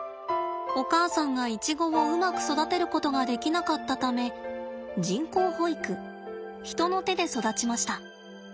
お母さんがイチゴをうまく育てることができなかったため人工哺育人の手で育ちました。